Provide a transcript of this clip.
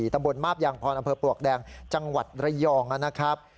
ตำบลมาบยางพรอำเภอปลวกแดงจังหวัดระยองนะครับ